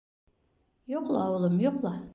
— Йоҡла, улым, йоҡла.